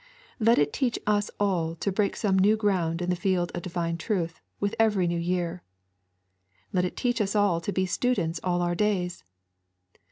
Let it teach us all to break some new ground in the field of divine truth with every new year. Let it teach us all to be students all our days.